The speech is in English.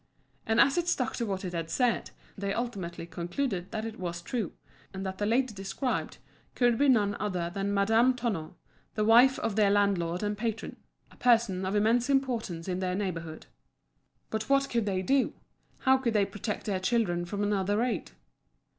And as it stuck to what it had said, they ultimately concluded that it was true, and that the lady described could be none other than Madame Tonno, the wife of their landlord and patron a person of immense importance in the neighbourhood. But what could they do? How could they protect their children from another raid?